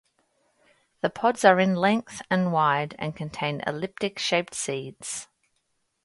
The pods are in length and wide and contain elliptic shaped seeds.